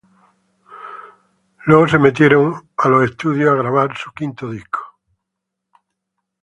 Luego se metieron a los estudios a grabar su quinto disco.